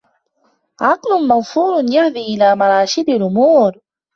عَقْلٌ مَوْفُورٌ يَهْدِي إلَى مَرَاشِدِ الْأُمُورِ